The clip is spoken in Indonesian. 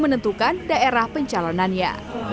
menentukan daerah pencalonannya